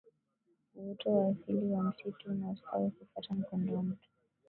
uoto wa asili wa msitu unaostawi kufuata mkondo wa mto